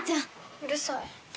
うるさい。